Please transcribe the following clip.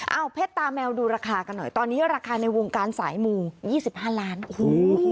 เอาเพชรตาแมวดูราคากันหน่อยตอนนี้ราคาในวงการสายมู๒๕ล้านโอ้โห